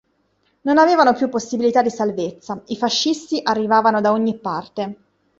Non avevano più possibilità di salvezza: i fascisti arrivavano da ogni parte.